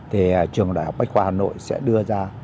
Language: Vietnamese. thì trường đại học bách khoa hà nội sẽ đưa ra